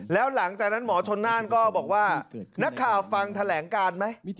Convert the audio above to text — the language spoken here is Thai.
แล้วหลังจากนั้นหมอชนน่านก็บอกว่านักข่าวฟังแถลงการไหม